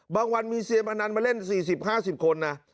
บางวันมีเจ้าสมรรณเปิด๔๕๖๐คนนะ